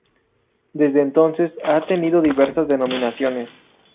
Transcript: Desde entonces ha tenido diversas denominaciones.